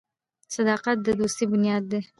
• صداقت د دوستۍ بنیاد دی.